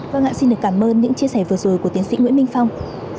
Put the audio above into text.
vâng ạ xin được cảm ơn những chia sẻ vừa rồi của tiến sĩ nguyễn minh phong